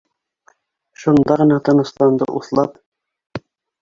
Шунда ғына тынысланды уҫлап